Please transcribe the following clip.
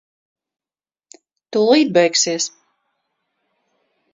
Tūlīt beigsies.